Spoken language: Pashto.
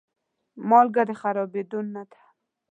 مالګه د خرابېدو نه ده.